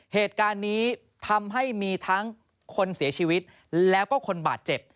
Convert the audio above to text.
เหตุการณ์นี้ทำให้มีทั้งคนเสียชีวิตแล้วก็คนบาดเจ็บ